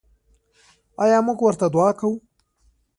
آیا موږ ورته دعا کوو؟